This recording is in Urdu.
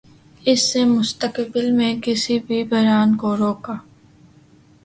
اس سے مستقبل میں کسی بھی بحران کو روکا